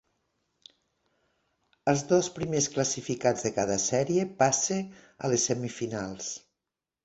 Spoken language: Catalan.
Els dos primers classificats de cada sèrie passa a les semifinals.